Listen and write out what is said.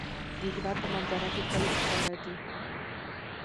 د هېواد په منظره کې کلي ښکاره دي.